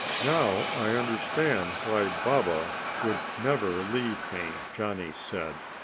"Now I understand why Baba would never leave me," Johnny said.